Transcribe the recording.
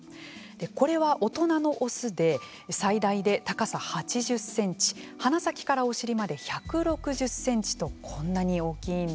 これは大人のオスで最大で高さ８０センチ鼻先からお尻まで１６０センチとこんなに大きいんですね。